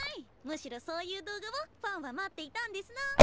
むしろそういう動画をファンは待っていたんですの！